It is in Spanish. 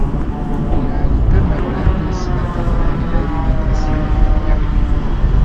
La linterna volante se mantendrá en el aire mientras siga viva la llama.